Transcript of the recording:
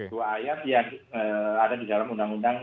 dua ayat yang ada di dalam undang undang